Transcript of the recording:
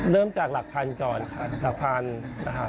เริ่มจากหลักพันธุ์ก่อนหลักพันนะคะ